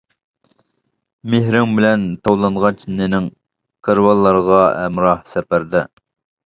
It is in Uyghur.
مېھرىڭ بىلەن تاۋلانغاچ نېنىڭ، كارۋانلارغا ھەمراھ سەپەردە.